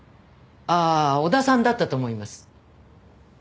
ああ小田さんだったと思います。